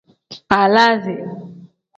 Baalasi.